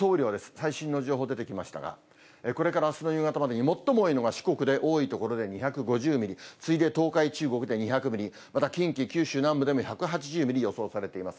最新の情報出てきましたが、これからあすの夕方までに最も多いのが、四国で多い所で２５０ミリ、次いで東海、中国で２００ミリ、また、近畿、九州南部でも１８０ミリ予想されています。